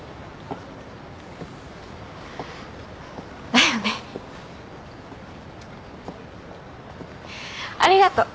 だよね。ありがと。